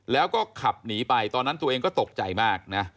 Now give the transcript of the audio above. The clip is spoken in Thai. แล้วก็ขับหนีไปตอนนั้นตัวเองก็ตกใจมากนะ